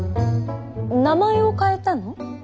名前を変えたの？